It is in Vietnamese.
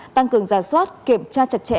tăng cường giả soát kiểm tra chặt chẽ